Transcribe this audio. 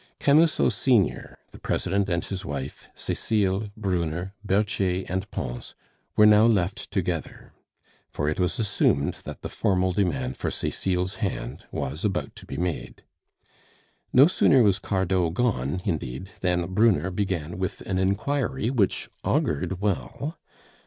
Camusot senior, the President and his wife, Cecile, Brunner, Berthier, and Pons were now left together; for it was assumed that the formal demand for Cecile's hand was about to be made. No sooner was Cardot gone, indeed, than Brunner began with an inquiry which augured well.